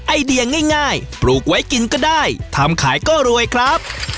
ไอเดียง่ายปลูกไว้กินก็ได้ทำขายก็รวยครับ